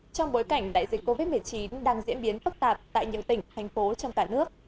trong bối cảnh đại dịch covid một mươi chín đang diễn biến phức tạp tại nhiều tỉnh thành phố trong cả nước